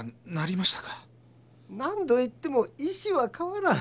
何度言っても意思はかわらん！